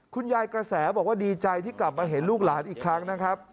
กระแสบอกว่าดีใจที่กลับมาเห็นลูกหลานอีกครั้งนะครับ